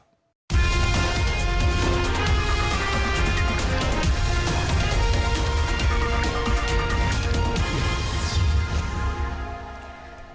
โปรดติดตามตอนต่อไป